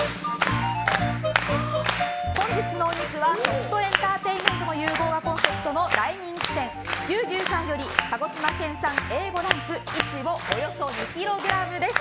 本日のお肉は、食とエンターテインメントの融合がコンセプトの大人気店牛牛さんより鹿児島県産Ａ５ランクイチボおよそ２ｋｇです。